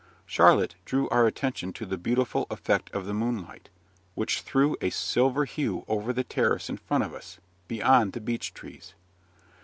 Charlotte drew our attention to the beautiful effect of the moonlight, which threw a silver hue over the terrace in front of us, beyond the beech trees.